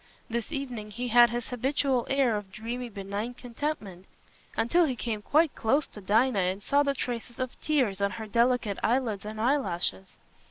This evening he had his habitual air of dreamy benignant contentment, until he came quite close to Dinah and saw the traces of tears on her delicate eyelids and eyelashes.